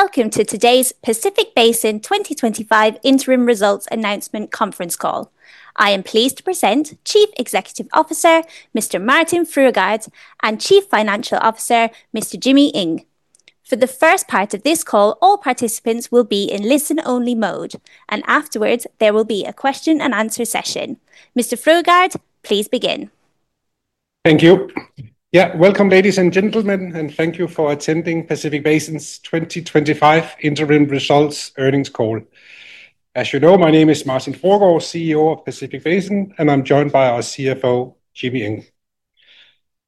Welcome to today's Pacific Basin Shipping Limited 2025 Interim Results Announcement Conference Call. I am pleased to present Chief Executive Officer, Mr. Martin Fruergaard, and Chief Financial Officer, Mr. Jimmy Ing. For the first part of this call, all participants will be in listen-only mode, and afterwards, there will be a question and answer session. Mr. Fruergaard, please begin. Thank you. Yeah, welcome, ladies and gentlemen, and thank you for attending Pacific Basin Shipping's 2025 Interim Results Earnings Call. As you know, my name is Martin Fruergaard, CEO of Pacific Basin and I'm joined by our CFO, Jimmy Ing.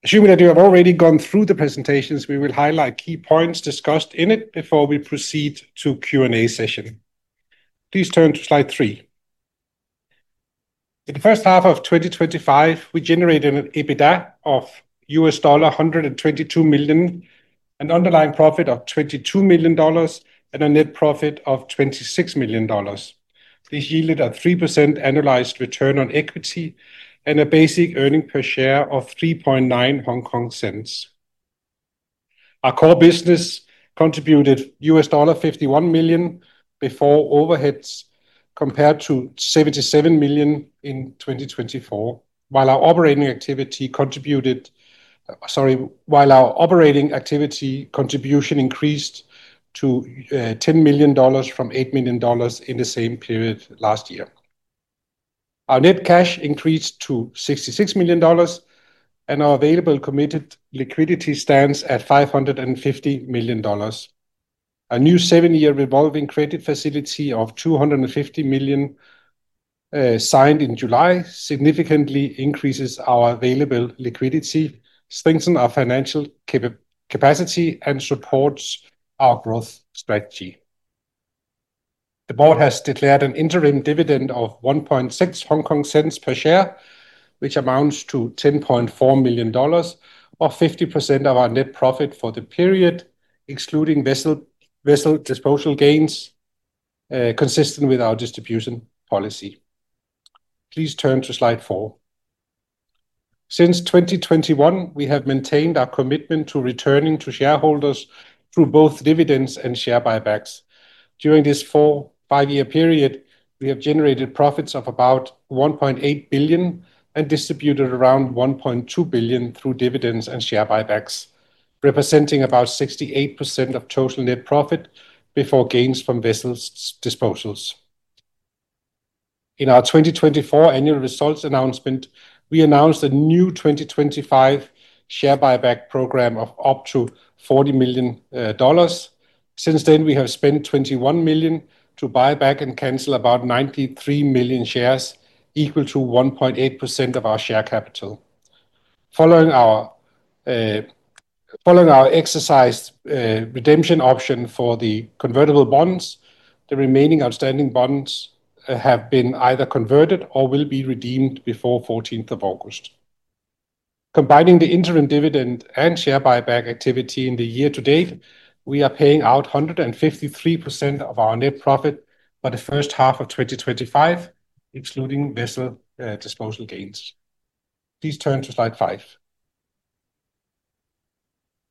Assuming that you have already gone through the presentations, we will highlight key points discussed in it before we proceed to the Q&A session. Please turn to slide three. In the first half of 2025, we generated an EBITDA of $122 million, an underlying profit of $22 million, and a net profit of $26 million. This yielded a 3% annualized return on equity and a basic earning per share of 3.9. Our core business contributed $51 million before overheads compared to $77 million in 2024, while our operating activity contribution increased to $10 million from $8 million in the same period last year. Our net cash increased to $66 million, and our available committed liquidity stands at $550 million. A new seven-year revolving credit facility of $250 million signed in July significantly increases our available liquidity, strengthens our financial capacity, and supports our growth strategy. The board has declared an interim dividend of 1.6 per share, which amounts to $10.4 million, or 50% of our net profit for the period, excluding vessel disposal gains, consistent with our distribution policy. Please turn to slide four. Since 2021, we have maintained our commitment to returning to shareholders through both dividends and share buybacks. During this four-year period, we have generated profits of about $1.8 billion and distributed around $1.2 billion through dividends and share buybacks, representing about 68% of total net profit before gains from vessel disposals. In our 2024 annual results announcement, we announced a new 2025 share buyback program of up to $40 million. Since then, we have spent $21 million to buy back and cancel about 93 million shares, equal to 1.8% of our share capital. Following our exercised redemption option for the convertible bonds, the remaining outstanding bonds have been either converted or will be redeemed before 14th of August. Combining the interim dividend and share buyback activity in the year to date, we are paying out 153% of our net profit for the first half of 2025, including vessel disposal gains. Please turn to slide five.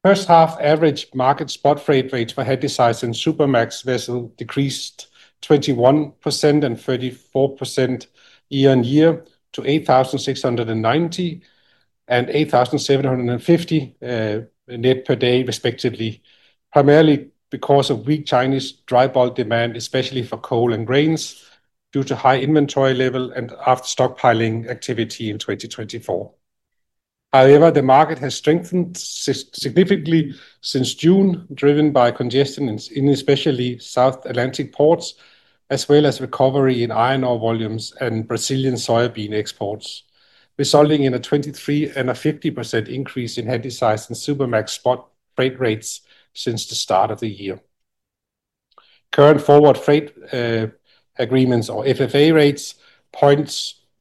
First half average market spot freight rate for Handysize and Supramax vessels decreased 21% and 34% year-on-year to $8,690 and $8,750 net per day, respectively, primarily because of weak Chinese dry bulk demand, especially for coal and grains, due to high inventory level and after stockpiling activity in 2024. However, the market has strengthened significantly since June, driven by congestion in especially South Atlantic ports, as well as recovery in iron ore volumes and Brazilian soybean exports, resulting in a 23% and a 50% increase in Handysize and Supramax spot freight rates since the start of the year. Current forward freight agreements, or FFA rates,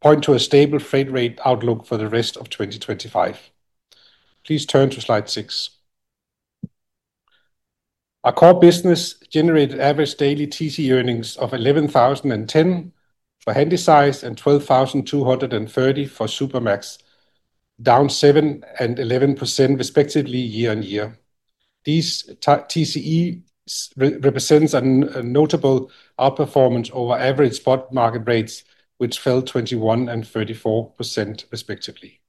point to a stable freight rate outlook for the rest of 2025. Please turn to slide six. Our core business generated average daily TCE earnings of $11,010 for Handysize and $12,230 for Supramax, down 7% and 11% respectively year-on-year. These TCEs represent a notable outperformance over average spot market rates, which fell 21% and 34% respectively.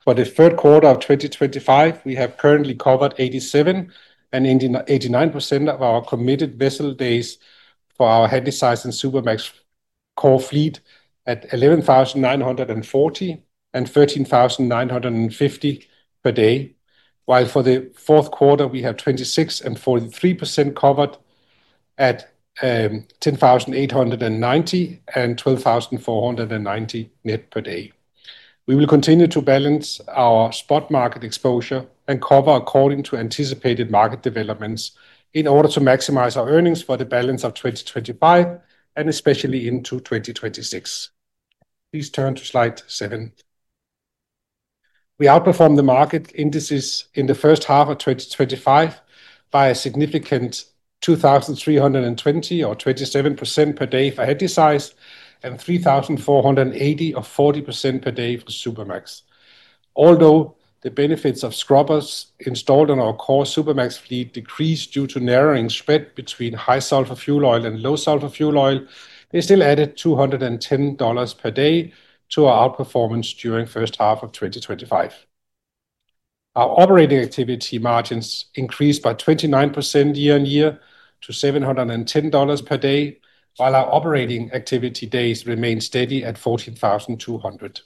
For the third quarter of 2025, we have currently covered 87% and 89% of our committed vessel days for our Handysize and Supramax core fleet at $11,940 and $13,950 per day, while for the fourth quarter we have 26% and 43% covered at $10,890 and $12,490 net per day. We will continue to balance our spot market exposure and cover according to anticipated market developments in order to maximize our earnings for the balance of 2025 and especially into 2026. Please turn to slide seven. We outperformed the market indices in the first half of 2025 by a significant $2,320 or 27% per day for Handysize and $3,480 or 40% per day for Supramax. Although the benefits of scrubbers installed on our core Supramax fleet decreased due to narrowing spread between high-sulfur fuel oil and low-sulfur fuel oil, they still added $210 per day to our performance during the first half of 2025. Our operating activity margins increased by 29% year-on-year to $710 per day, while our operating activity days remain steady at 14,200.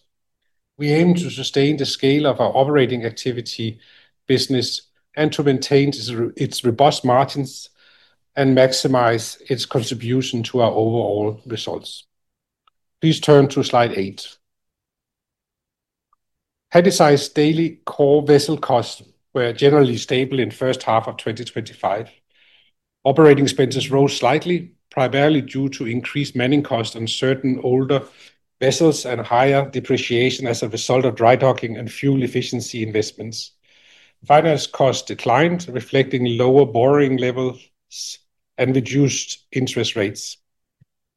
We aim to sustain the scale of our operating activity business and to maintain its robust margins and maximize its contribution to our overall results. Please turn to slide eight. Handysize daily core vessel costs were generally stable in the first half of 2025. Operating expenses rose slightly, primarily due to increased manning costs on certain older vessels and higher depreciation as a result of dry docking and fuel efficiency investments. Finance costs declined, reflecting lower borrowing levels and reduced interest rates.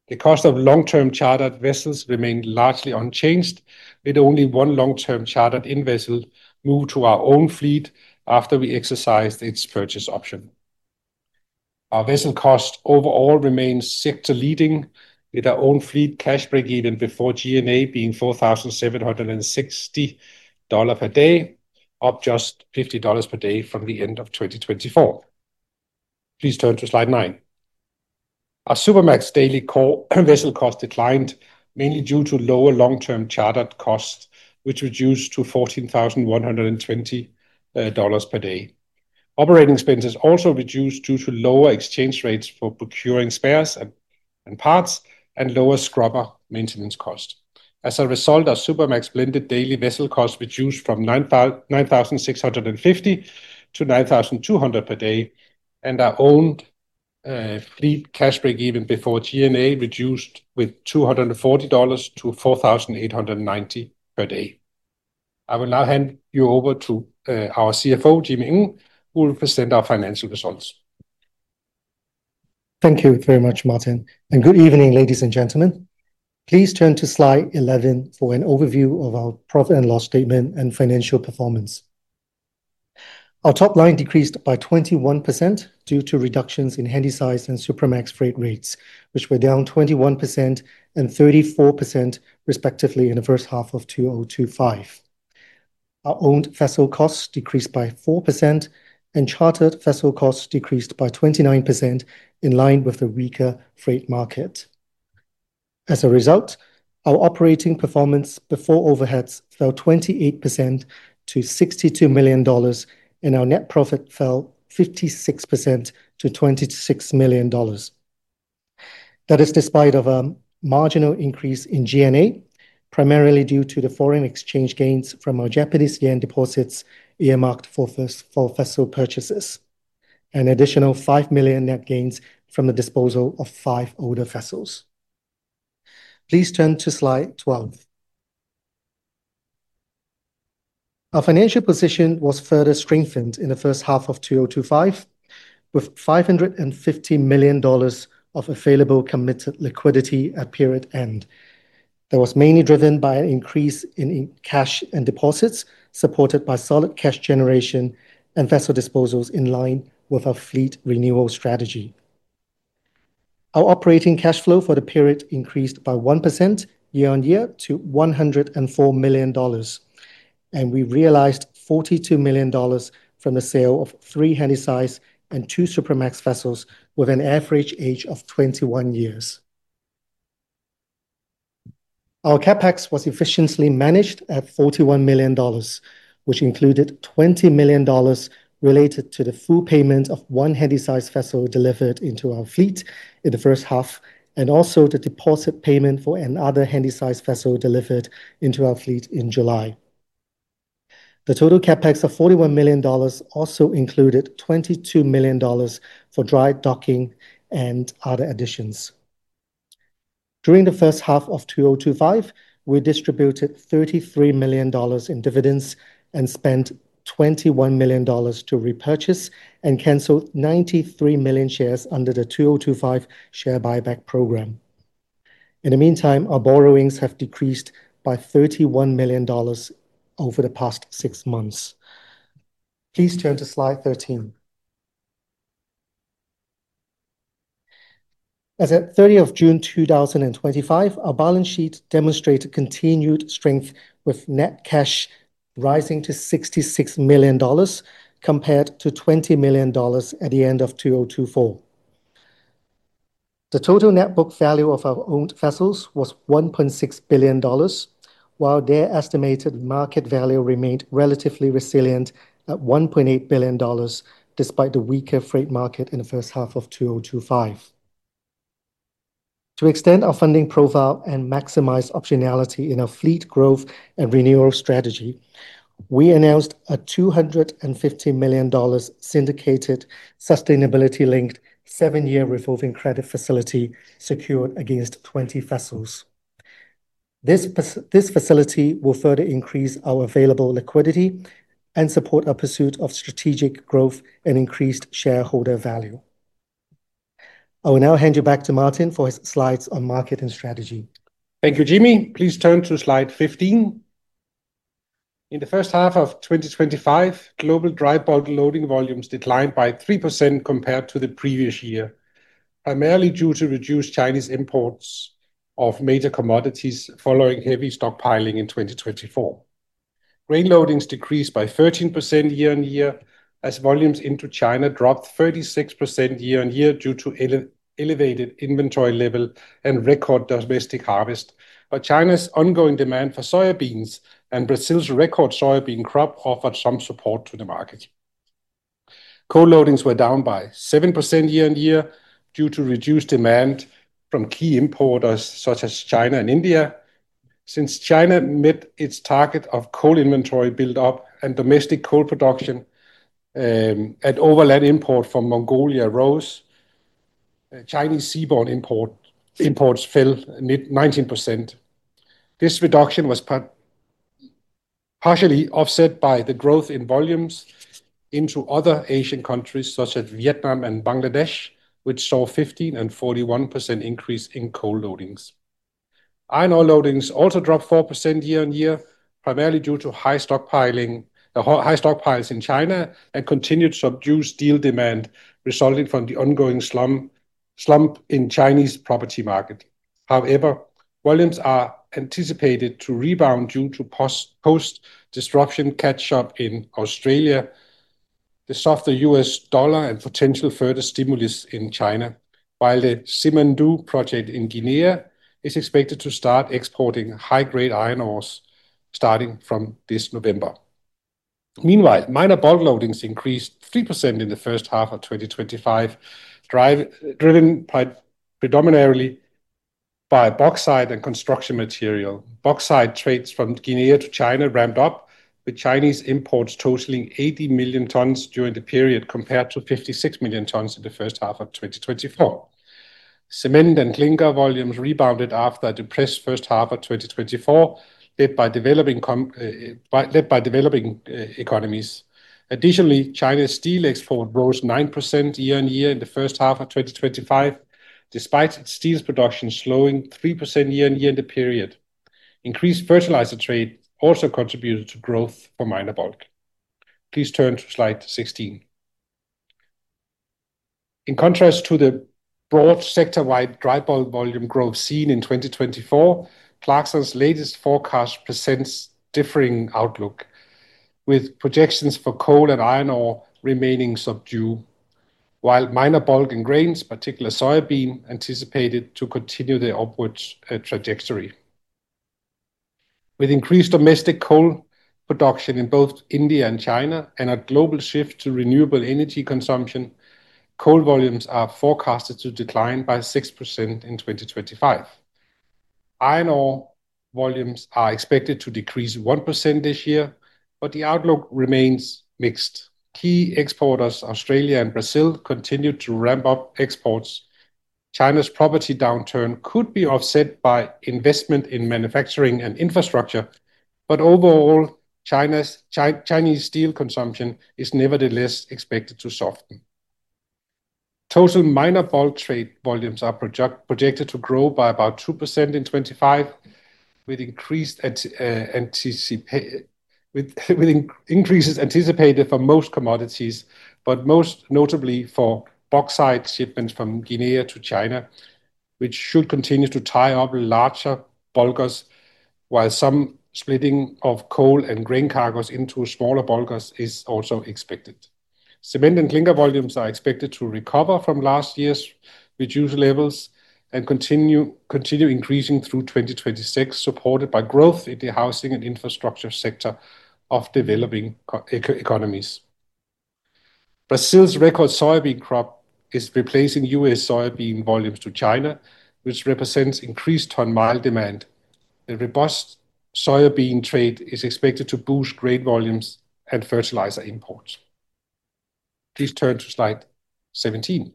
The cost of long-term chartered vessels remained largely unchanged, with only one long-term chartered-in vessel moved to our own fleet after we exercised its purchase option. Our vessel cost overall remains sector leading, with our own fleet cash break even before G&A being $4,760 per day, up just $50 per day from the end of 2024. Please turn to slide nine. Our Supramax daily core vessel cost declined, mainly due to lower long-term chartered costs, which reduced to $14,120 per day. Operating expenses also reduced due to lower exchange rates for procuring spares and parts and lower scrubber maintenance costs. As a result, our Supramax blended daily vessel costs reduced from $9,650 to $9,200 per day, and our own fleet cash break even before G&A reduced by $240 to $4,890 per day. I will now hand you over to our CFO, Jimmy Ing, who will present our financial results. Thank you very much, Martin, and good evening, ladies and gentlemen. Please turn to slide 11 for an overview of our profit and loss statement and financial performance. Our top line decreased by 21% due to reductions in Handysize and Supramax freight rates, which were down 21% and 34% respectively in the first half of 2025. Our owned vessel costs decreased by 4%, and chartered vessel costs decreased by 29% in line with the weaker freight market. As a result, our operating performance before overheads fell 28% to $62 million, and our net profit fell 56% to $26 million. That is despite a marginal increase in G&A, primarily due to the foreign exchange gains from our Japanese yen deposits earmarked for vessel purchases, and an additional $5 million net gains from the disposal of five older vessels. Please turn to slide 12. Our financial position was further strengthened in the first half of 2025, with $550 million of available committed liquidity at period end. That was mainly driven by an increase in cash and deposits supported by solid cash generation and vessel disposals in line with our fleet renewal strategy. Our operating cash flow for the period increased by 1% year-on-year to $104 million, and we realized $42 million from the sale of three Handysize and two Supramax vessels with an average age of 21 years. Our CapEx was efficiently managed at $41 million, which included $20 million related to the full payment of one Handysize vessel delivered into our fleet in the first half, and also the deposit payment for another Handysize vessel delivered into our fleet in July. The total CapEx of $41 million also included $22 million for dry docking and other additions. During the first half of 2025, we distributed $33 million in dividends and spent $21 million to repurchase and cancel 93 million shares under the 2025 share buyback program. In the meantime, our borrowings have decreased by $31 million over the past six months. Please turn to slide 13. As of 30th of June 2025, our balance sheet demonstrated continued strength, with net cash rising to $66 million, compared to $20 million at the end of 2024. The total net book value of our owned vessels was $1.6 billion, while their estimated market value remained relatively resilient at $1.8 billion, despite the weaker freight market in the first half of 2025. To extend our funding profile and maximize optionality in our fleet growth and renewal strategy, we announced a $250 million syndicated sustainability-linked seven-year revolving credit facility secured against 20 vessels. This facility will further increase our available liquidity and support our pursuit of strategic growth and increased shareholder value. I will now hand you back to Martin for his slides on market and strategy. Thank you, Jimmy. Please turn to slide 15. In the first half of 2025, global dry bulk loading volumes declined by 3% compared to the previous year, primarily due to reduced Chinese imports of major commodities following heavy stockpiling in 2024. Grain loadings decreased by 13% year-on-year as volumes into China dropped 36% year-on-year due to elevated inventory level and record domestic harvest, but China's ongoing demand for soybeans and Brazil's record soybean crop offered some support to the market. Coal loadings were down by 7% year-on-year due to reduced demand from key importers such as China and India. Since China met its target of coal inventory buildup and domestic coal production and overland import from Mongolia rose, Chinese seaborne imports fell 19%. This reduction was partially offset by the growth in volumes into other Asian countries such as Vietnam and Bangladesh, which saw a 15% and 41% increase in coal loadings. Iron ore loadings also dropped 4% year-on-year, primarily due to high stockpiling in China and continued subdued steel demand resulting from the ongoing slump in the Chinese property market. However, volumes are anticipated to rebound due to post-disruption catch-up in Australia, the softer US dollar, and potential further stimulus in China, while the Simandu project in Guinea is expected to start exporting high-grade iron ores starting from this November. Meanwhile, minor bulk loadings increased 3% in the first half of 2025, driven predominantly by bauxite and construction material. Bauxite trades from Guinea to China ramped up, with Chinese imports totaling 80 million tons during the period compared to 56 million tons in the first half of 2024. Cement and clinker volumes rebounded after a depressed first half of 2024, led by developing economies. Additionally, China's steel export rose 9% year-on-year in the first half of 2025, despite steel production slowing 3% year-on-year in the period. Increased fertilizer trade also contributed to growth for minor bulk. Please turn to slide 16. In contrast to the broad sector-wide dry bulk volume growth seen in 2024, Clarkson's latest forecast presents a differing outlook, with projections for coal and iron ore remaining subdued, while minor bulk in grains, particularly soybean, anticipated to continue their upward trajectory. With increased domestic coal production in both India and China and a global shift to renewable energy consumption, coal volumes are forecasted to decline by 6% in 2025. Iron ore volumes are expected to decrease 1% this year, but the outlook remains mixed. Key exporters, Australia and Brazil, continue to ramp up exports. China's property downturn could be offset by investment in manufacturing and infrastructure, but overall, Chinese steel consumption is nevertheless expected to soften. Total minor bulk trade volumes are projected to grow by about 2% in 2025, with increases anticipated for most commodities, but most notably for bauxite shipments from Guinea to China, which should continue to tie up larger bulkers, while some splitting of coal and grain cargoes into smaller bulkers is also expected. Cement and clinker volumes are expected to recover from last year's reduced levels and continue increasing through 2026, supported by growth in the housing and infrastructure sector of developing economies. Brazil's record soybean crop is replacing U.S. soybean volumes to China, which represents increased ton-mile demand. The robust soybean trade is expected to boost grain volumes and fertilizer imports. Please turn to slide 17.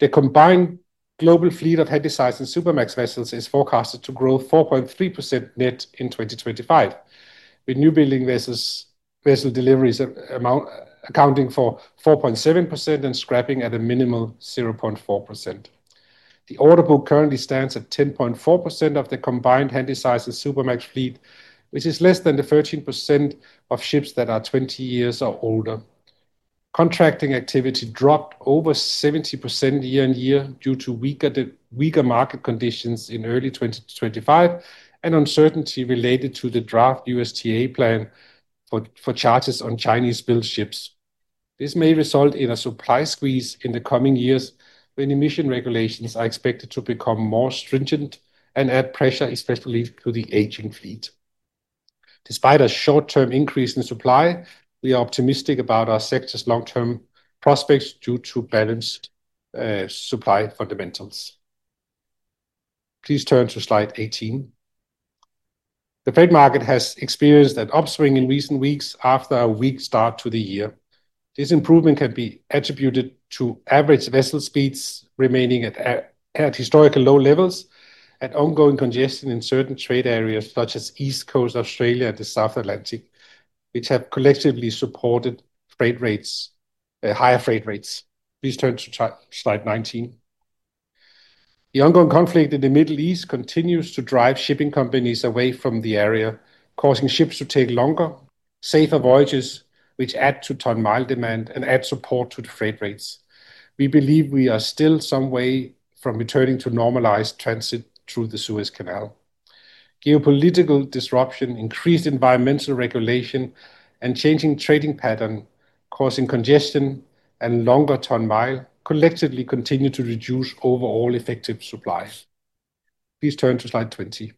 The combined global fleet of Handysize and Supramax vessels is forecasted to grow 4.3% net in 2025, with newbuilding vessel deliveries accounting for 4.7% and scrapping at a minimal 0.4%. The order book currently stands at 10.4% of the combined Handysize and Supramax fleet, which is less than the 13% of ships that are 20 years or older. Contracting activity dropped over 70% year-on-year due to weaker market conditions in early 2025 and uncertainty related to the draft USTR plan for charges on Chinese-built ships. This may result in a supply squeeze in the coming years, when emission regulations are expected to become more stringent and add pressure, especially to the aging fleet. Despite a short-term increase in supply, we are optimistic about our sector's long-term prospects due to balanced supply fundamentals. Please turn to slide 18. The freight market has experienced an upswing in recent weeks after a weak start to the year. This improvement can be attributed to average vessel speeds remaining at historically low levels and ongoing congestion in certain trade areas such as the East Coast of Australia and the South Atlantic, which have collectively supported higher freight rates. Please turn to slide 19. The ongoing conflict in the Middle East continues to drive shipping companies away from the area, causing ships to take longer, safer voyages, which add to ton-mile demand and add support to the freight rates. We believe we are still some way from returning to normalized transit through the Suez Canal. Geopolitical disruption, increased environmental regulation, and changing trading patterns causing congestion and longer ton-mile collectively continue to reduce overall effective supply. Please turn to slide 20.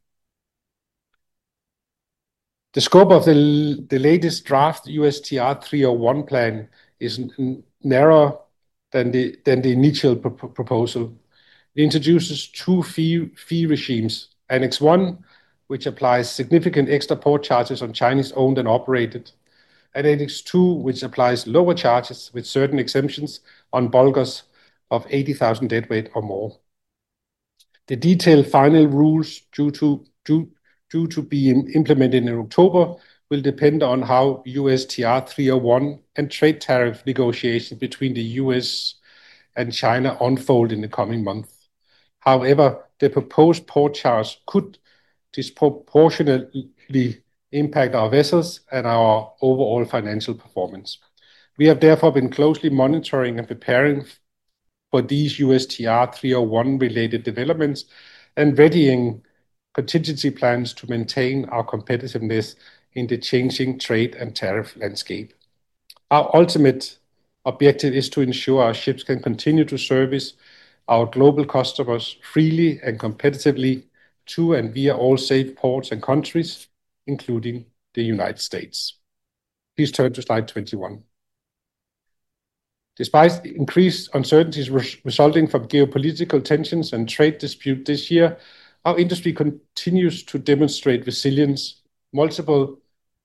The scope of the latest draft USTR 301 plan is narrower than the initial proposal. It introduces two fee regimes: Annex I, which applies significant extra port charges on Chinese-owned and operated, and Annex II, which applies lower charges with certain exemptions on bulkers of 80,000 dead weight or more. The detailed final rules, due to be implemented in October, will depend on how USTR 301 and trade tariff negotiations between the U.S. and China unfold in the coming months. However, the proposed port charge could disproportionately impact our vessels and our overall financial performance. We have therefore been closely monitoring and preparing for these USTR 301 related developments and readying contingency plans to maintain our competitiveness in the changing trade and tariff landscape. Our ultimate objective is to ensure our ships can continue to service our global customers freely and competitively to and via all safe ports and countries, including the United States. Please turn to slide 21. Despite the increased uncertainties resulting from geopolitical tensions and trade disputes this year, our industry continues to demonstrate resilience. Multiple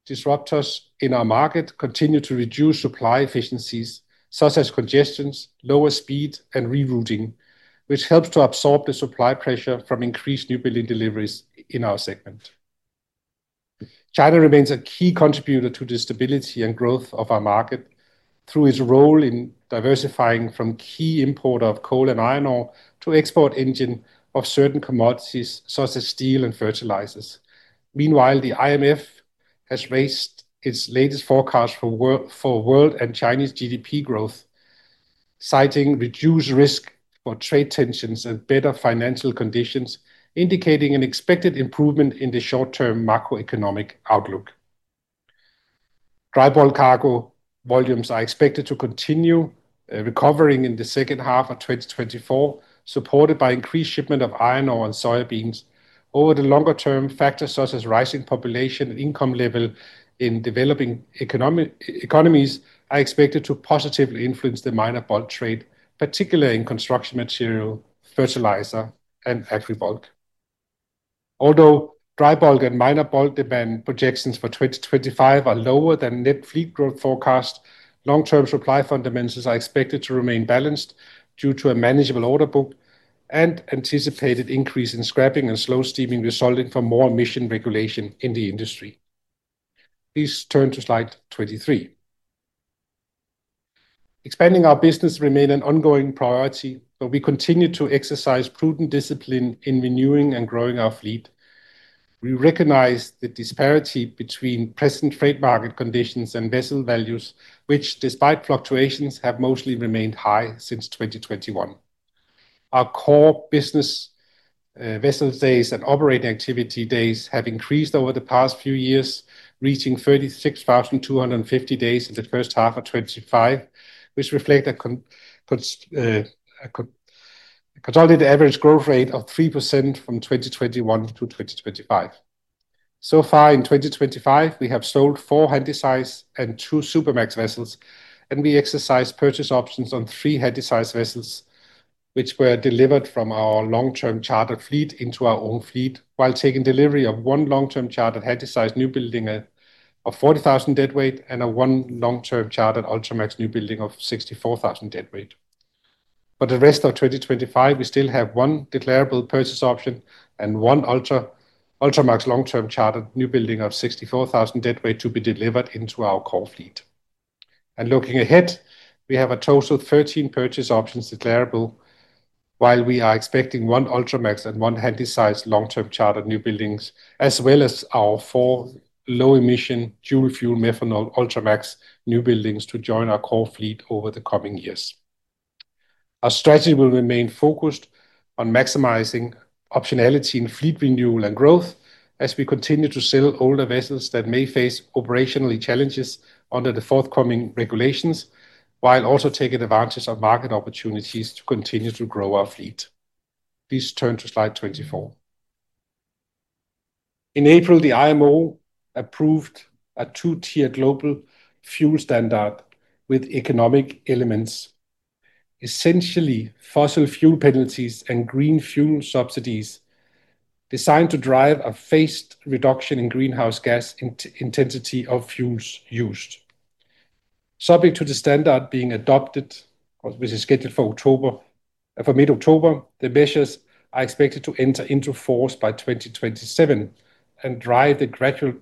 disruptors in our market continue to reduce supply efficiencies, such as congestions, lower speed, and rerouting, which helps to absorb the supply pressure from increased new building deliveries in our segment. China remains a key contributor to the stability and growth of our market through its role in diversifying from key importers of coal and iron ore to export engines of certain commodities such as steel and fertilizers. Meanwhile, the IMF has raised its latest forecast for world and Chinese GDP growth, citing reduced risk for trade tensions and better financial conditions, indicating an expected improvement in the short-term macroeconomic outlook. Dry bulk cargo volumes are expected to continue recovering in the second half of 2024, supported by increased shipment of iron ore and soybeans. Over the longer term, factors such as rising population and income level in developing economies are expected to positively influence the minor bulk trade, particularly in construction material, fertilizer, and heavy bulk. Although dry bulk and minor bulk demand projections for 2025 are lower than net fleet growth forecasts, long-term supply fundamentals are expected to remain balanced due to a manageable order book and anticipated increase in scrapping and slow steaming resulting from more emission regulation in the industry. Please turn to slide 23. Expanding our business remains an ongoing priority, but we continue to exercise prudent discipline in renewing and growing our fleet. We recognize the disparity between present trade market conditions and vessel values, which, despite fluctuations, have mostly remained high since 2021. Our core business vessel days and operating activity days have increased over the past few years, reaching 36,250 days in the first half of 2025, which reflects a consolidated average growth rate of 3% from 2021 to 2025. In 2025, we have sold four Handysize and two Supramax vessels, and we exercised purchase options on three Handysize vessels, which were delivered from our long-term chartered fleet into our own fleet, while taking delivery of one long-term chartered Handysize newbuilding of 40,000 deadweight and one long-term chartered Ultramax newbuilding of 64,000 deadweight. For the rest of 2025, we still have one declarable purchase option and one Ultramax long-term chartered newbuilding of 64,000 deadweight to be delivered into our core fleet. Looking ahead, we have a total of 13 purchase options declarable, while we are expecting one Ultramax and one Handysize long-term chartered newbuildings, as well as our four low-emission dual-fuel methanol Ultramax newbuildings to join our core fleet over the coming years. Our strategy will remain focused on maximizing optionality in fleet renewal and growth as we continue to sell older vessels that may face operational challenges under the forthcoming regulations, while also taking advantage of market opportunities to continue to grow our fleet. Please turn to slide 24. In April, the IMO approved a two-tier global fuel standard with economic elements, essentially fossil fuel penalties and green fuel subsidies designed to drive a phased reduction in greenhouse gas intensity of fuels used. Subject to the standard being adopted, which is scheduled for mid-October, the measures are expected to enter into force by 2027 and drive the gradual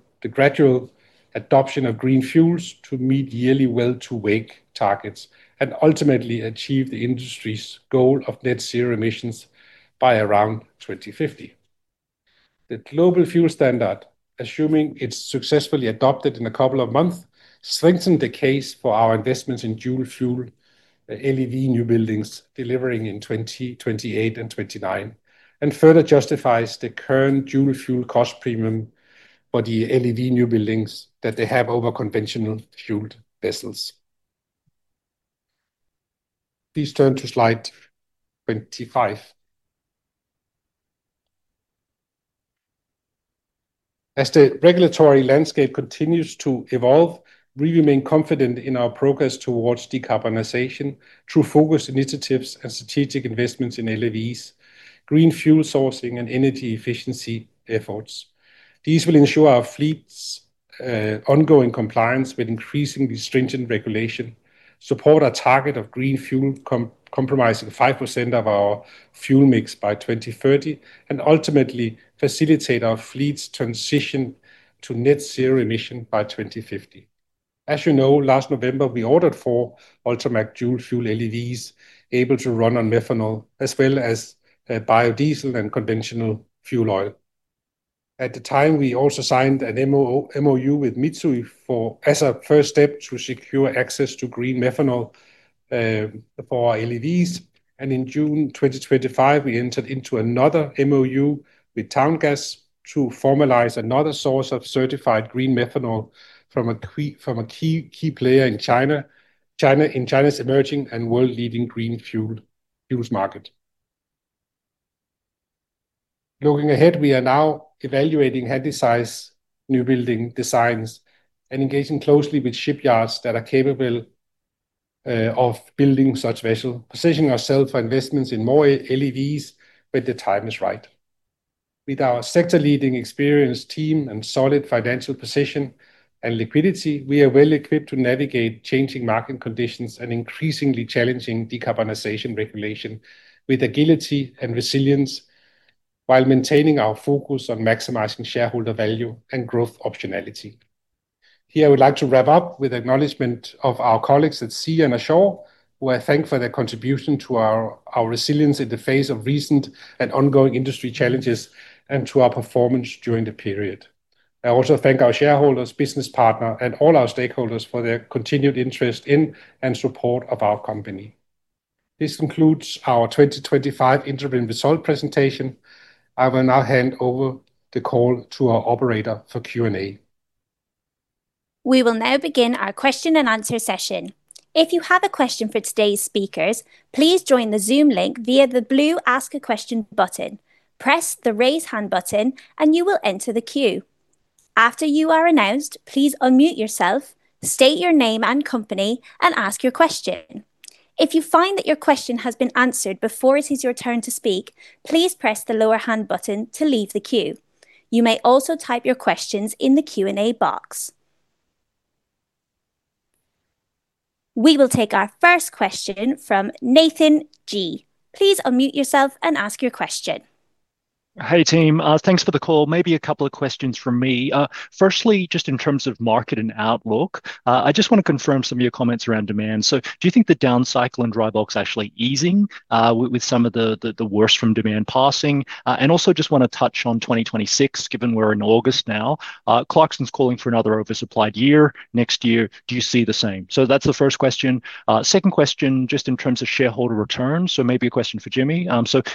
adoption of green fuels to meet yearly well-to-weight targets and ultimately achieve the industry's goal of net zero emissions by around 2050. The global fuel standard, assuming it's successfully adopted in a couple of months, strengthens the case for our investments in dual-fuel LEV new buildings delivering in 2028 and 2029, and further justifies the current dual-fuel cost premium for the LEV new buildings that they have over conventional fueled vessels. Please turn to slide 25. As the regulatory landscape continues to evolve, we remain confident in our progress towards decarbonization through focused initiatives and strategic investments in LEVs, green fuel sourcing, and energy efficiency efforts. These will ensure our fleet's ongoing compliance with increasingly stringent regulation, support our target of green fuel comprising 5% of our fuel mix by 2030, and ultimately facilitate our fleet's transition to net zero emission by 2050. As you know, last November, we ordered four Ultramax dual-fuel LEVs able to run on methanol, as well as biodiesel and conventional fuel oil. At the time, we also signed an MOU with Mitsui as a first step to secure access to green methanol for our LEVs, and in June 2025, we entered into another MOU with Town Gas to formalize another source of certified green methanol from a key player in China's emerging and world-leading green fuel market. Looking ahead, we are now evaluating Handysize new building designs and engaging closely with shipyards that are capable of building such vessels, positioning ourselves for investments in more LEVs when the time is right. With our sector-leading experience, team, and solid financial position and liquidity, we are well equipped to navigate changing market conditions and increasingly challenging decarbonization regulation with agility and resilience, while maintaining our focus on maximizing shareholder value and growth optionality. Here, I would like to wrap up with acknowledgement of our colleagues at sea and ashore, who I thank for their contribution to our resilience in the face of recent and ongoing industry challenges and to our performance during the period. I also thank our shareholders, business partners, and all our stakeholders for their continued interest in and support of our company. This concludes our 2025 interim result presentation. I will now hand over the call to our operator for Q&A. We will now begin our question and answer session. If you have a question for today's speakers, please join the Zoom link via the blue Ask a Question button. Press the Raise Hand button, and you will enter the queue. After you are announced, please unmute yourself, state your name and company, and ask your question. If you find that your question has been answered before it is your turn to speak, please press the Lower Hand button to leave the queue. You may also type your questions in the Q&A box. We will take our first question from Nathan Gee. Please unmute yourself and ask your question. Hey, team. Thanks for the call. Maybe a couple of questions from me. Firstly, just in terms of market and outlook, I just want to confirm some of your comments around demand. Do you think the down cycle in dry bulk is actually easing with some of the worst from demand passing? I just want to touch on 2026, given we're in August now. Clarkson's calling for another oversupplied year next year. Do you see the same? That's the first question. Second question, just in terms of shareholder returns, maybe a question for Jimmy.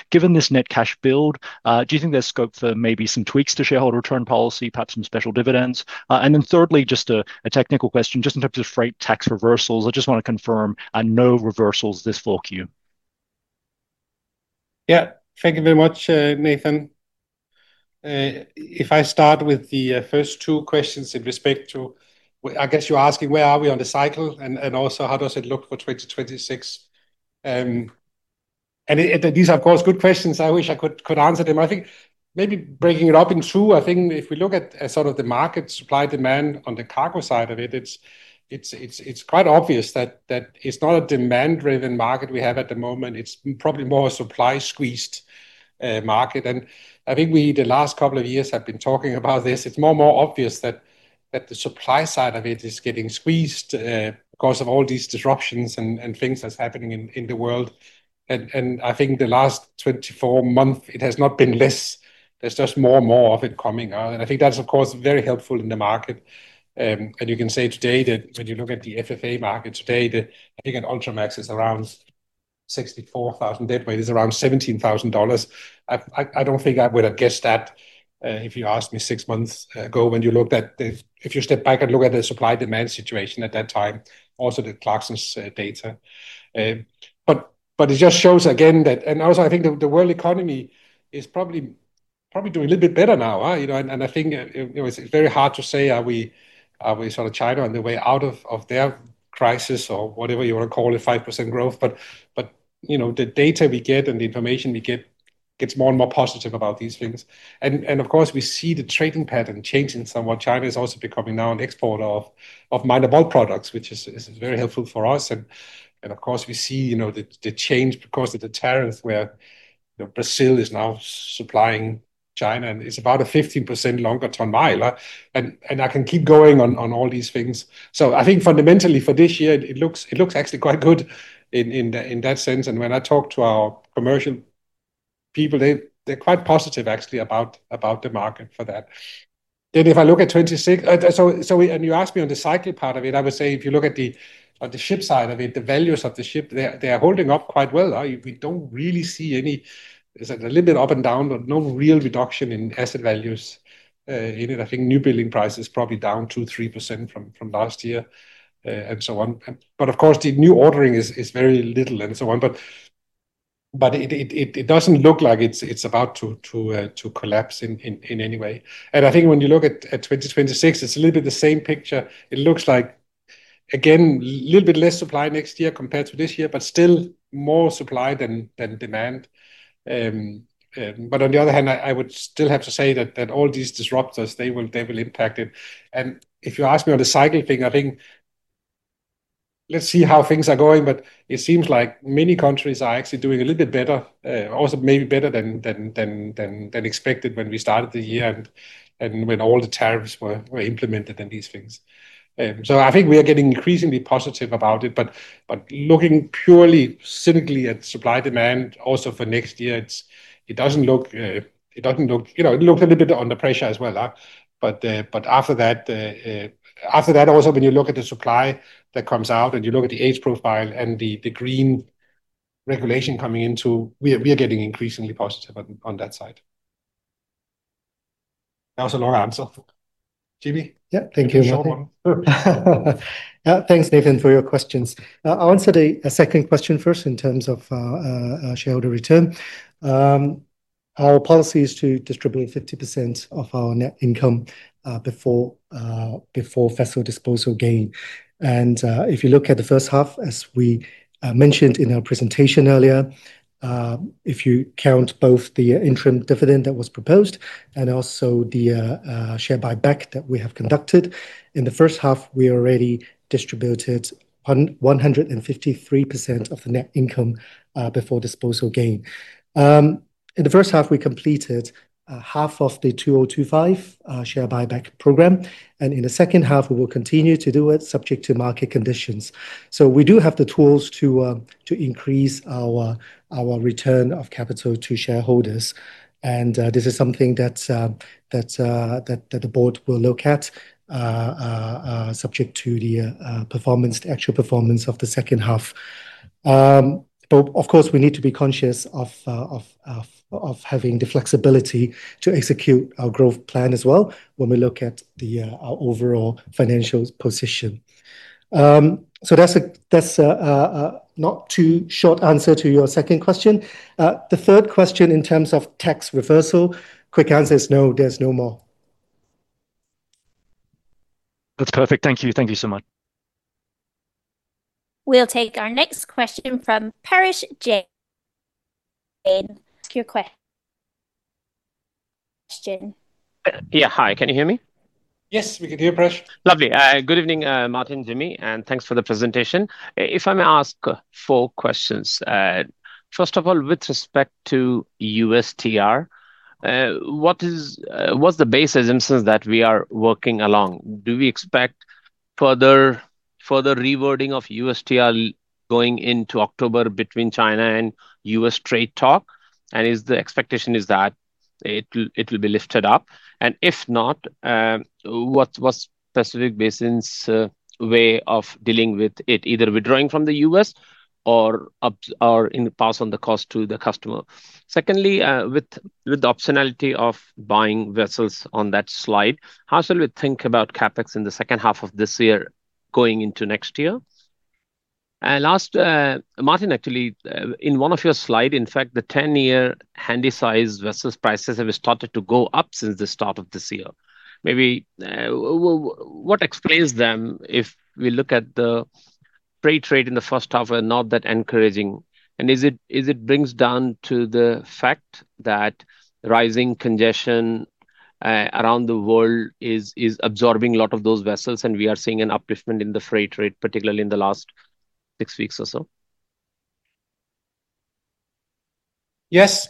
Given this net cash build, do you think there's scope for maybe some tweaks to shareholder return policy, perhaps some special dividends? Thirdly, just a technical question, just in terms of freight tax reversals, I just want to confirm no reversals this fall queue. Yeah, thank you very much, Nathan. If I start with the first two questions in respect to, I guess you're asking where are we on the cycle and also how does it look for 2026. These are both good questions. I wish I could answer them. Maybe breaking it up in two, if we look at sort of the market supply-demand on the cargo side of it, it's quite obvious that it's not a demand-driven market we have at the moment. It's probably more a supply-squeezed market. The last couple of years we have been talking about this. It's more and more obvious that the supply side of it is getting squeezed because of all these disruptions and things that are happening in the world. The last 24 months, it has not been less. There's just more and more of it coming. That's, of course, very helpful in the market. You can say today that when you look at the FFA market today, the thing at Ultramax is around 64,000 dead weight. It's around $17,000. I don't think I would have guessed that if you asked me six months ago when you looked at the, if you step back and look at the supply-demand situation at that time, also the Clarkson's data. It just shows again that, and also I think the world economy is probably doing a little bit better now. It's very hard to say are we sort of China on the way out of their crisis or whatever you want to call it, 5% growth. The data we get and the information we get gets more and more positive about these things. Of course, we see the trading pattern changing somewhat. China is also becoming now an exporter of minor bulk products, which is very helpful for us. We see the change because of the tariffs where Brazil is now supplying China, and it's about a 15% longer ton-mile. I can keep going on all these things. I think fundamentally for this year, it looks actually quite good in that sense. When I talk to our commercial people, they're quite positive actually about the market for that. If I look at 2026, and you asked me on the cycle part of it, I would say if you look at the ship side of it, the values of the ship, they're holding up quite well. We don't really see any, it's a little bit up and down, but no real reduction in asset values in it. I think new building prices are probably down 2%, 3% from last year and so on. Of course, the new ordering is very little and so on. It doesn't look like it's about to collapse in any way. When you look at 2026, it's a little bit the same picture. It looks like, again, a little bit less supply next year compared to this year, but still more supply than demand. On the other hand, I would still have to say that all these disruptors, they will impact it. If you ask me on the cycle thing, I think let's see how things are going, but it seems like many countries are actually doing a little bit better, also maybe better than expected when we started the year and when all the tariffs were implemented and these things. I think we are getting increasingly positive about it. Looking purely cynically at supply-demand also for next year, it doesn't look, you know, it looks a little bit under pressure as well. After that, also when you look at the supply that comes out and you look at the age profile and the green regulation coming into, we are getting increasingly positive on that side. That was a long answer. Jimmy? Yeah, thank you. Thanks, Nathan, for your questions. I'll answer the second question first in terms of shareholder return. Our policy is to distribute 50% of our net income before vessel disposal gain. If you look at the first half, as we mentioned in our presentation earlier, if you count both the interim dividend that was proposed and also the share buyback that we have conducted, in the first half, we already distributed 153% of the net income before disposal gain. In the first half, we completed half of the 2025 share buyback program. In the second half, we will continue to do it subject to market conditions. We do have the tools to increase our return of capital to shareholders. This is something that the board will look at subject to the actual performance of the second half. Of course, we need to be conscious of having the flexibility to execute our growth plan as well when we look at our overall financial position. That's a not-too-short answer to your second question. The third question in terms of tax reversal, quick answer is no, there's no more. That's perfect. Thank you. Thank you so much. We'll take our next question from Parash Jain. Ask your question. Hi, can you hear me? Yes, we can hear you, Parash. Lovely. Good evening, Martin, Jimmy, and thanks for the presentation. If I may ask four questions. First of all, with respect to USTR, what is the basis instance that we are working along? Do we expect further rewording of USTR going into October between China and U.S. trade talk? Is the expectation that it will be lifted up? If not, what's the specific Pacific Basin's way of dealing with it, either withdrawing from the U.S. or passing the cost to the customer? Secondly, with the optionality of buying vessels on that slide, how shall we think about CapEx in the second half of this year going into next year? Last, Martin, actually, in one of your slides, in fact, the 10-year Handysize vessels' prices have started to go up since the start of this year. Maybe what explains them, if we look at the pre-trade in the first half, are not that encouraging? Is it down to the fact that rising congestion around the world is absorbing a lot of those vessels, and we are seeing an upliftment in the freight trade, particularly in the last six weeks or so? Yes.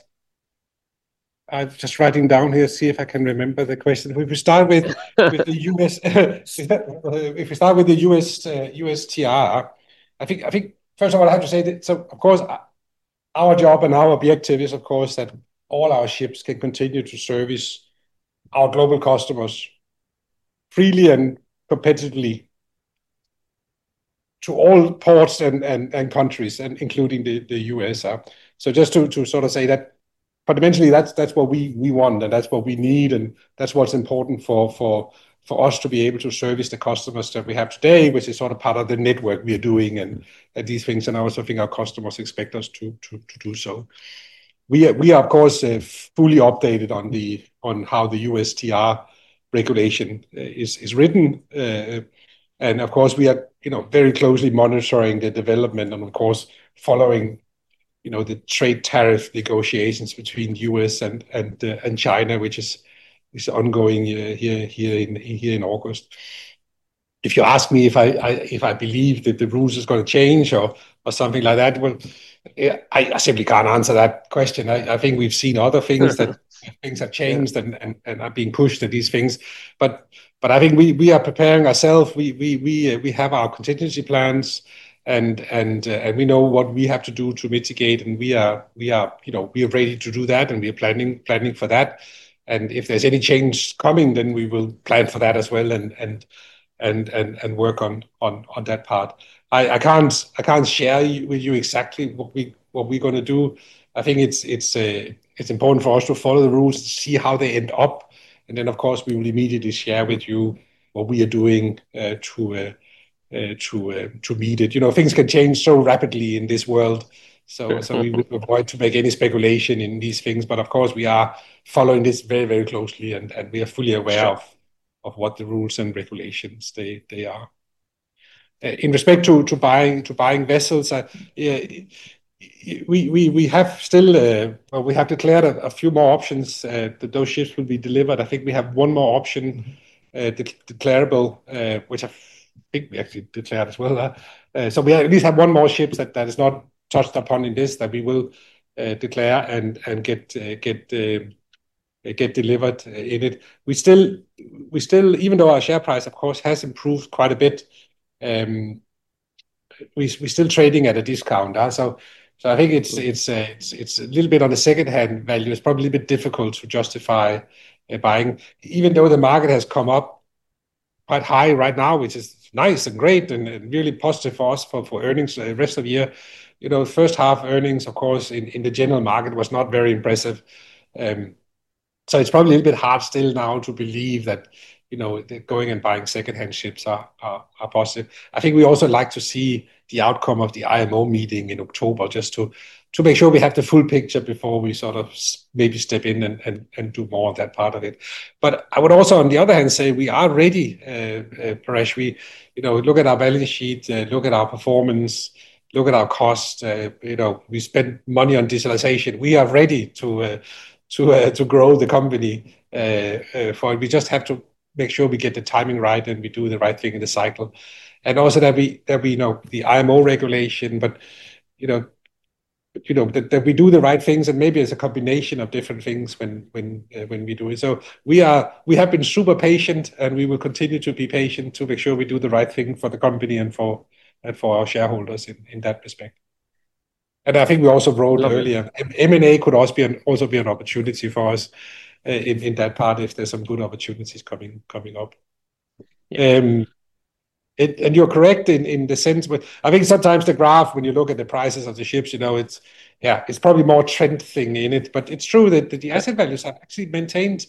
I'm just writing down here to see if I can remember the question. If we start with the USTR, I think first of all, I have to say that, of course, our job and our objective is, of course, that all our ships can continue to service our global customers freely and competitively to all ports and countries, including the U.S. Just to sort of say that fundamentally, that's what we want, and that's what we need, and that's what's important for us to be able to service the customers that we have today, which is sort of part of the network we are doing and these things. I also think our customers expect us to do so. We are, of course, fully updated on how the USTR regulation is written. We are very closely monitoring the development and, of course, following the trade tariff negotiations between the U.S. and China, which is ongoing here in August. If you ask me if I believe that the rules are going to change or something like that, I simply can't answer that question. I think we've seen other things that things have changed and are being pushed to these things. I think we are preparing ourselves. We have our contingency plans, and we know what we have to do to mitigate, and we are ready to do that, and we are planning for that. If there's any change coming, we will plan for that as well and work on that part. I can't share with you exactly what we're going to do. I think it's important for us to follow the rules and see how they end up. Of course, we will immediately share with you what we are doing to meet it. Things can change so rapidly in this world. We will avoid making any speculation in these things. Of course, we are following this very, very closely, and we are fully aware of what the rules and regulations are. In respect to buying vessels, we have declared a few more options that those ships will be delivered. I think we have one more option declarable, which I think we actually declared as well. We at least have one more ship that is not touched upon in this that we will declare and get delivered in it. Even though our share price, of course, has improved quite a bit, we're still trading at a discount. I think it's a little bit on the second-hand value. It's probably a little bit difficult to justify buying, even though the market has come up quite high right now, which is nice and great and really positive for us for earnings the rest of the year. The first half earnings, of course, in the general market was not very impressive. It's probably a little bit hard still now to believe that going and buying second-hand ships are positive. I think we also like to see the outcome of the IMO meeting in October, just to make sure we have the full picture before we sort of maybe step in and do more of that part of it. I would also, on the other hand, say we are ready, Parash. We look at our value sheet, look at our performance, look at our cost. We spend money on digitalization. We are ready to grow the company for it. We just have to make sure we get the timing right and we do the right thing in the cycle. Also, the IMO regulation, we do the right things, and maybe it's a combination of different things when we do it. We have been super patient, and we will continue to be patient to make sure we do the right thing for the company and for our shareholders in that respect. I think we also rolled earlier. M&A could also be an opportunity for us in that part if there's some good opportunities coming up. You're correct in the sense where I think sometimes the graph, when you look at the prices of the ships, it's probably more a trend thing in it. It's true that the asset values have actually maintained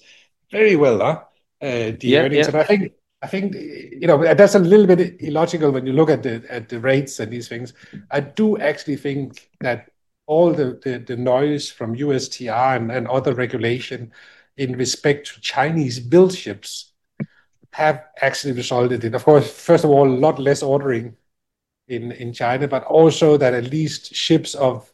very well, the earnings. I think that's a little bit illogical when you look at the rates and these things. I do actually think that all the noise from USTR and other regulation in respect to Chinese-built ships have actually resolved it. Of course, first of all, a lot less ordering in China, but also that at least ships of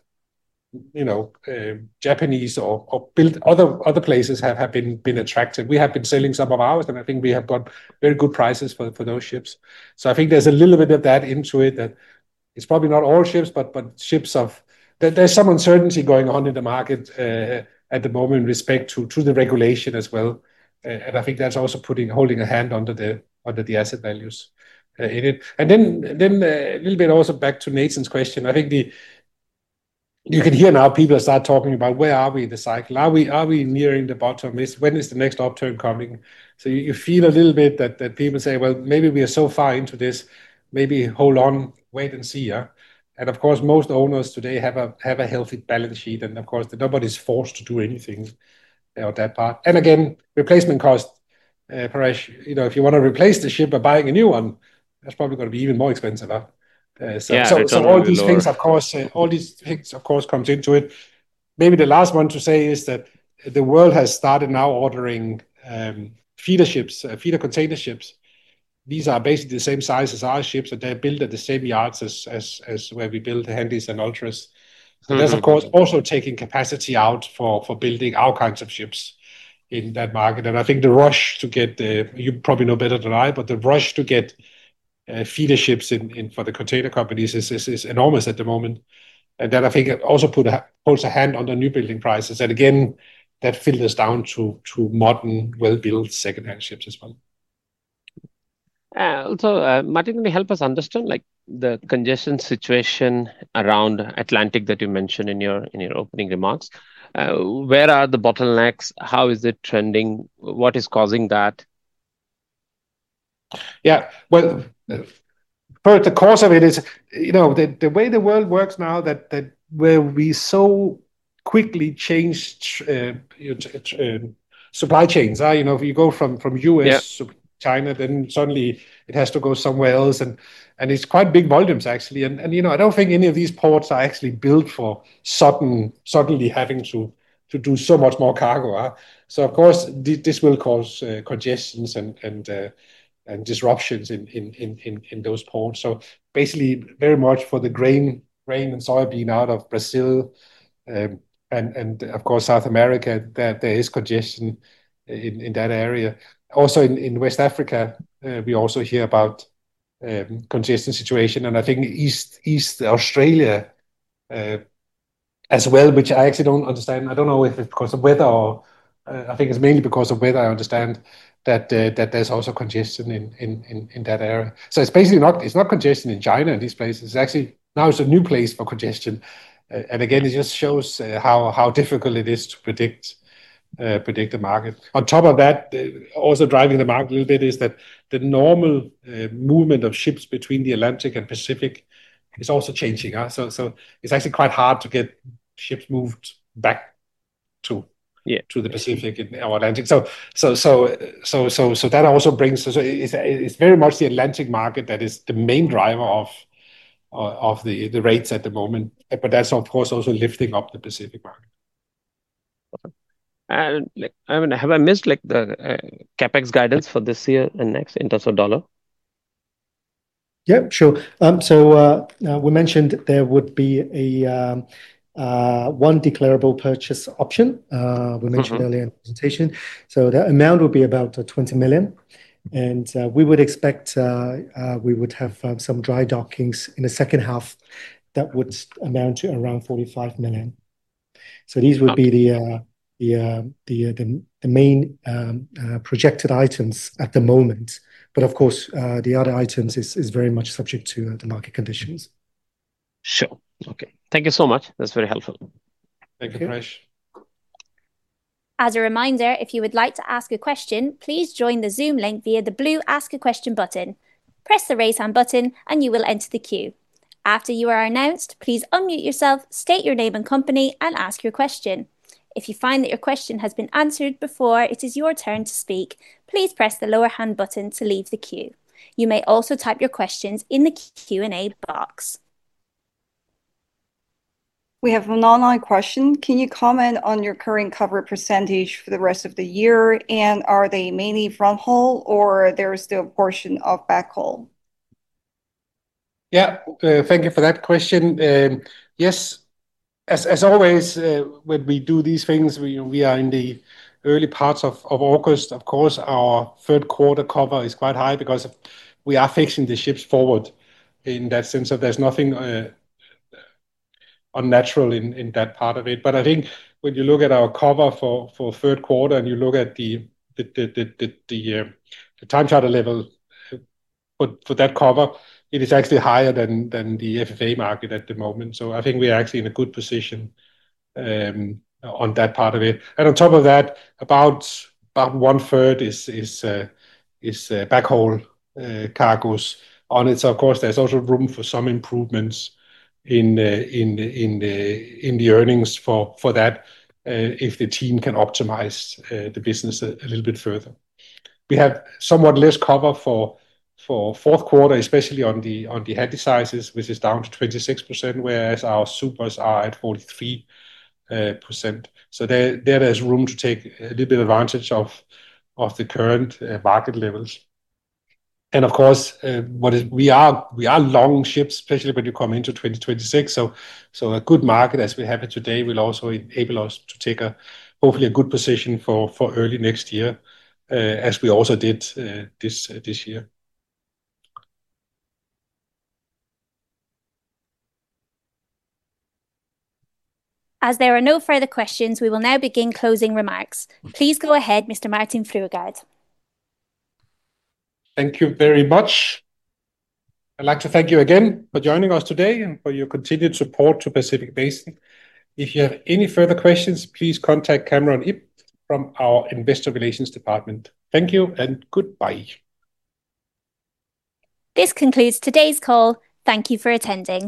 Japanese or other places have been attracted. We have been selling some of ours, and I think we have got very good prices for those ships. I think there's a little bit of that into it, that it's probably not all ships, but ships of, there's some uncertainty going on in the market at the moment in respect to the regulation as well. I think that's also putting, holding a hand under the asset values in it. Then a little bit also back to Nathan's question. I think you can hear now people start talking about where are we in the cycle? Are we nearing the bottom? When is the next upturn coming? You feel a little bit that people say, maybe we are so far into this, maybe hold on, wait and see. Most owners today have a healthy balance sheet, and nobody's forced to do anything on that part. Replacement cost, Parash, you know, if you want to replace the ship by buying a new one, that's probably going to be even more expensive. All these things, of course, come into it. Maybe the last one to say is that the world has started now ordering feeder ships, feeder container ships. These are basically the same size as our ships, and they're built at the same yards as where we build the Handys and Ultras. That's also taking capacity out for building our kinds of ships in that market. I think the rush to get, you probably know better than I, but the rush to get feeder ships for the container companies is enormous at the moment. That also puts a hand on the new building prices. That filters down to modern, well-built second-hand ships as well. Martin, can you help us understand the congestion situation around Atlantic that you mentioned in your opening remarks? Where are the bottlenecks? How is it trending? What is causing that? Part of the course of it is, you know, the way the world works now, that where we so quickly change supply chains. You know, if you go from U.S. to China, then suddenly it has to go somewhere else. It's quite big volumes, actually. I don't think any of these ports are actually built for suddenly having to do so much more cargo. Of course, this will cause congestions and disruptions in those ports. Basically, very much for the grain and soybean out of Brazil and, of course, South America, there is congestion in that area. Also, in West Africa, we also hear about a congested situation. I think East Australia as well, which I actually don't understand. I don't know if it's because of weather. I think it's mainly because of weather. I understand that there's also congestion in that area. It's basically not congestion in China in these places. It's actually now a new place for congestion. Again, it just shows how difficult it is to predict the market. On top of that, also driving the market a little bit is that the normal movement of ships between the Atlantic and Pacific is also changing. It's actually quite hard to get ships moved back to the Pacific and our Atlantic. That also brings, so it's very much the Atlantic market that is the main driver of the rates at the moment. That's, of course, also lifting up the Pacific market. I don't know, have I missed the CapEx guidance for this year and next in terms of dollar? Yeah, sure. We mentioned there would be one declarable purchase option, as we mentioned earlier in the presentation. The amount would be about $20 million. We would expect to have some dry dockings in the second half that would amount to around $45 million. These would be the main projected items at the moment. Of course, the other items are very much subject to the market conditions. Sure. OK. Thank you so much. That's very helpful. Thank you, Parash. As a reminder, if you would like to ask a question, please join the Zoom link via the blue Ask a Question button. Press the Raise Hand button, and you will enter the queue. After you are announced, please unmute yourself, state your name and company, and ask your question. If you find that your question has been answered before it is your turn to speak, please press the Lower Hand button to leave the queue. You may also type your questions in the Q&A box. We have a Malay question. Can you comment on your current coverage percentage for the rest of the year? Are they mainly from haul, or is there still a portion of back haul? Yeah, thank you for that question. Yes, as always, when we do these things, we are in the early parts of August. Of course, our third quarter cover is quite high because we are fixing the ships forward in that sense. There's nothing unnatural in that part of it. I think when you look at our cover for third quarter and you look at the time charter level for that cover, it is actually higher than the FFA market at the moment. I think we are actually in a good position on that part of it. On top of that, about one third is back haul cargos on it. Of course, there's also room for some improvements in the earnings for that if the team can optimize the business a little bit further. We have somewhat less cover for fourth quarter, especially on the Handysizes, which is down to 26%, whereas our Supers are at 43%. There is room to take a little bit of advantage of the current market levels. Of course, we are long ships, especially when you come into 2026. A good market as we have it today will also enable us to take hopefully a good position for early next year, as we also did this year. As there are no further questions, we will now begin closing remarks. Please go ahead, Mr. Martin Fruergaard. Thank you very much. I'd like to thank you again for joining us today and for your continued support to Pacific Basin. If you have any further questions, please contact Cameron Ipp from our Investor Relations Department. Thank you and goodbye. This concludes today's call. Thank you for attending.